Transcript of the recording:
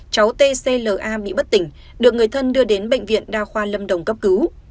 cháu t c l a bị bất tỉnh được người thân đưa đến bệnh viện đa khoa lâm đồng cấp cứu